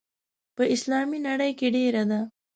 په اسلامي نړۍ کې ډېره ده.